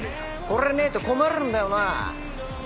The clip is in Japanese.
これねえと困るんだよな？